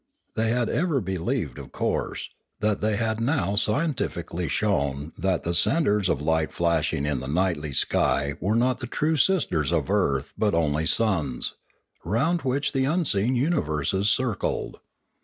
They had ever believed, of course, and they had now scientifically shown, that the centres of light flashing in the nightly sky were not the true sisters of earth but only suns, round Pioneering 477 which the unseen universes circled.